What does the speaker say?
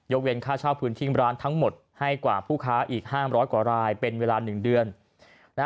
ยกเวียนค่าเช่าผืนทิ้งร้านทั้งหมดให้กว่าผู้ค้าอีกห้ามร้อยกว่ารายเป็นเวลาหนึ่งเดือน